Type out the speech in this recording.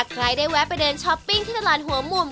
ใครได้แวะไปเดินช้อปปิ้งที่ตลาดหัวมุม